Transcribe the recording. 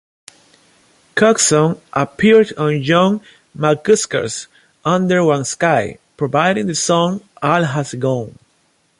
Coxon appeared on John McCusker's "Under One Sky", providing the song "All Has Gone".